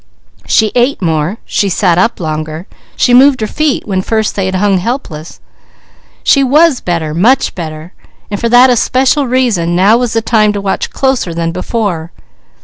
She ate more, she sat up longer, she moved her feet where first they had hung helpless. She was better, much better, and for that especial reason, now was the time to watch closer than before.